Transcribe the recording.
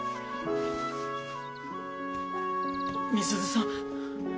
美鈴さん。